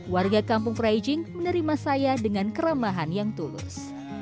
warga kampung praijing menerima saya dengan keramahan yang tulus